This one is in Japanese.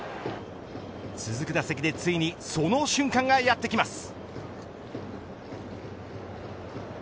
続く打席でついにその瞬間がやってきます。